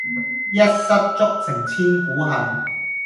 一失足成千古恨